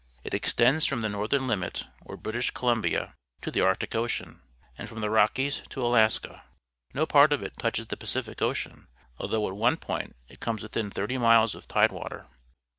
It e xtends from the northern lunit or British Columbia to the Arctic Ocean, and from the Rockies to Alaska. No part of it touches the Pacific Hydraulic Mining, Yixkon Territory Ocean, althougli at one point it comes vrithin thirty miles of tidewater.